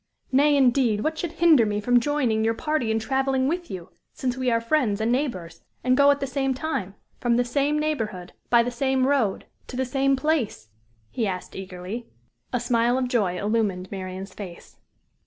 Nay, indeed! what should hinder me from joining your party and traveling with you, since we are friends and neighbors, and go at the same time, from the same neighborhood, by the same road, to the same place?" he asked, eagerly. A smile of joy illumined Marian's face.